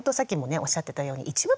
おっしゃってたように一部分で。